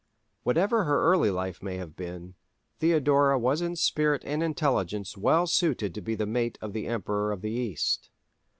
Whatever her early life may have been, Theodora was in spirit and intelligence well suited to be the mate of the Emperor of the East.